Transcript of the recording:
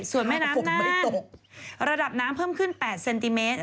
ส่วนแม่น้ำฝนไม่ได้ตกระดับน้ำเพิ่มขึ้น๘เซนติเมตร